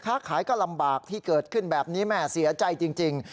ค้าขายก็ลำบากที่เกิดขึ้นแบบนี้แม่เสียใจจริง